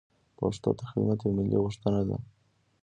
پښتو ته خدمت یوه ملي غوښتنه ده.